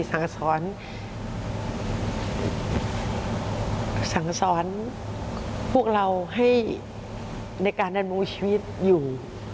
สั่งสอนสั่งสอนพวกเราให้ในการดำรงชีวิตอยู่